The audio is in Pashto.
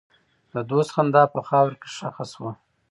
د دوست خندا په خاوره کې ښخ شوه.